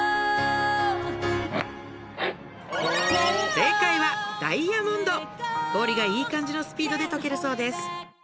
正解はダイヤモンド氷がいい感じのスピードでとけるそうです